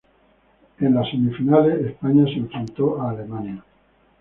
En las semifinales España se enfrentó a Alemania.